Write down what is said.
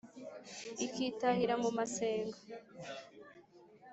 ikitahira mu masenga.